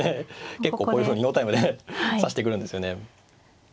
結構こういうふうにノータイムで指してくるんですよね。